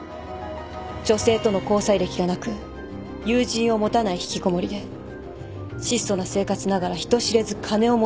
女性との交際歴がなく友人を持たない引きこもりで質素な生活ながら人知れず金を持っている男。